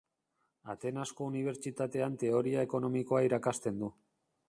Atenasko Unibertsitatean Teoria Ekonomikoa irakasten du.